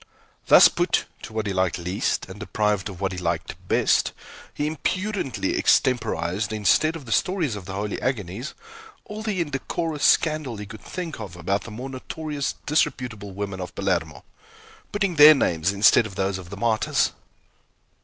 Thus put to what he liked least, and deprived of what he liked best, he impudently extemporized, instead of the stories of holy agonies, all the indecorous scandal he could think of about the more notorious disreputable women of Palermo, putting their names instead of those of the martyrs.